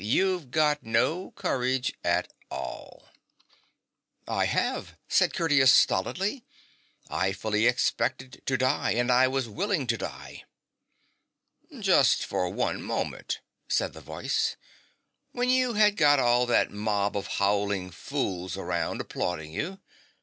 you've got no courage at all.' 95 THE BOTTOM OF THE GULF ' I have/ said Curtius stolidly ;' I fully expected to die, and I was willing to die.' 'Just for one moment/ said the voicCj 'when you had got all that mob of howling fools around applauding you.